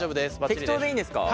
適当でいいんですか？